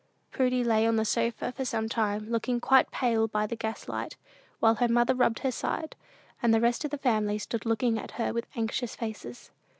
Prudy lay on the sofa for some time, looking quite pale by the gas light, while her mother rubbed her side, and the rest of the family stood looking at her with anxious faces.